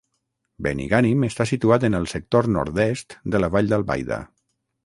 Benigànim està situat en el sector nord-est de la Vall d'Albaida.